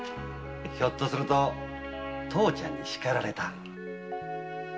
ひょっとすると父ちゃんに叱られた。